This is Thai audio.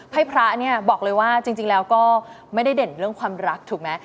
พระเนี่ยบอกเลยว่าจริงแล้วก็ไม่ได้เด่นเรื่องความรักถูกไหม